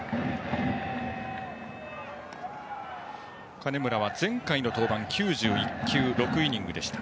金村は前回登板で９１球、６イニング。